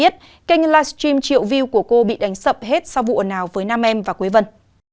trim triệu view của cô bị đánh sập hết sau vụ ổn ào với nam em và quế vân